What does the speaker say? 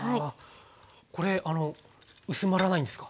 これ薄まらないんですか？